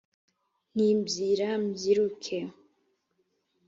nti “byira mbyiruke”